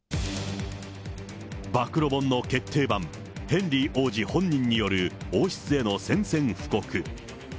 暴露本の決定版、ヘンリー王子本人による王室への宣戦布告。